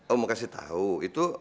om mau kasih tau itu